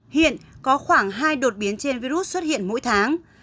hiện có khoảng hai đột biến trên virus xuất hiện mỗi tháng